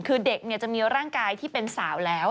คือเด็กจะมีร่างกายที่เป็นสาวแล้ว